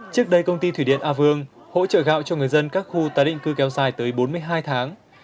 trước đây công ty thủy điện a vương hỗ trợ gạo cho người dân các khu tái định cư kéo dài tới bốn mươi hai tháng